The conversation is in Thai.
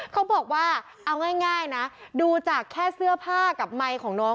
เขาบอกว่าเอาง่ายนะดูจากแค่เสื้อผ้ากับไมค์ของน้อง